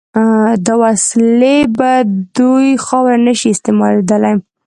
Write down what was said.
دا وسلې په دوی خاوره نشي استعمالېدای.